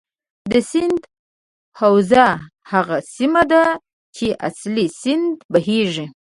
د سیند حوزه هغه سیمه ده چې اصلي سیند بهیږي.